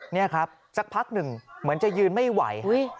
นี่ครับสักพักหนึ่งเหมือนจะยืนไม่ไหว